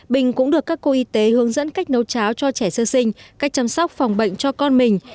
bình cũng được các cô y tế hướng dẫn cách nấu cháo cho trẻ sơ sinh cách chăm sóc phòng bệnh cho con mình